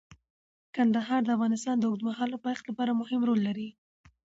کندهار د افغانستان د اوږدمهاله پایښت لپاره مهم رول لري.